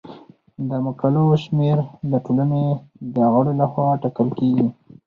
د مقالو شمیر د ټولنې د غړو لخوا ټاکل کیږي.